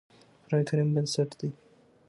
د قرآن کريم بنسټ دی